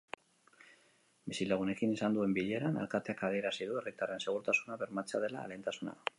Bizilagunekin izan duen bileran, alkateak adierazi du herritarren segurtasuna bermatzea dela lehentasuna.